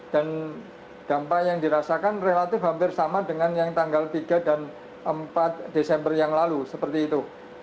dan dampak yang dirasakan relatif hampir sama dengan yang tanggal tiga dan empat desember yang lalu seperti itu